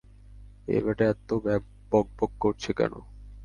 ও বেটা এত বকবক করছে কেন?